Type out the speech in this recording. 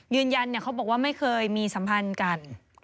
ยืนยันเนี่ยเขาบอกว่าไม่เคยมีสัมพันธ์กัน